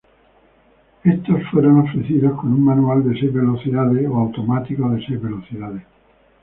Estos fueron ofrecidos con un manual de seis velocidades o automático de seis velocidades.